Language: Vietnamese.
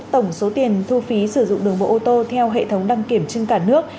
tổng số tiền thu phí sử dụng đường bộ ô tô theo hệ thống đăng kiểm trên cả nước